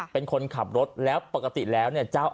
เป็นคนขับรถแล้วปกติแล้วเนี่ย